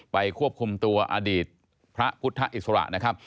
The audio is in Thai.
ควบคุมตัวอดีตพระพุทธอิสระนะครับ